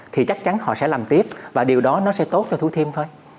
thì chắc chắn họ sẽ làm tiếp và điều đó nó sẽ tốt cho thủ thiêm thôi